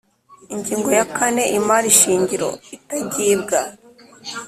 Ingingo ya kane Imari shingiro itagibwa